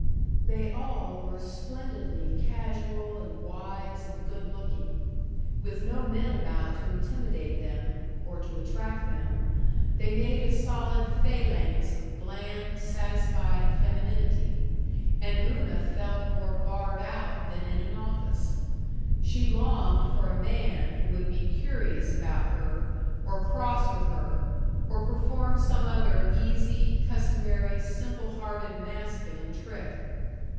They all were splendidly casual and wise and good looking. With no men about to intimidate them or to attract them they made a solid phalanx of bland, satisfied femininity, and Una felt more barred out than in an office. She longed for a man who would be curious about her, or cross with her, or perform some other easy, customary, simple hearted masculine trick.